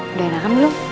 udah enakan belum